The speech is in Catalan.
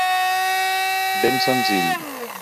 Ben senzill.